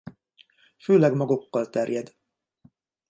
Főleg magokkal terjed.